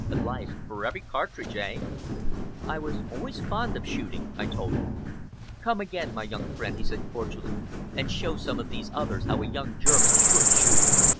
A life for every cartridge, eh?" "I was always fond of shooting!" I told him. "Come again, my young friend," he said cordially, "and show some of these others how a young German should shoot!